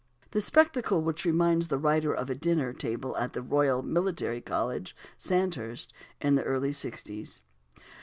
A spectacle which reminds the writer of a dinner table at the Royal Military College, Sandhurst, in the early sixties.